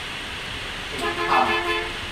ศีลธรรม